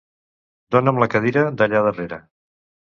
Dona'm la cadira d'allà darrere.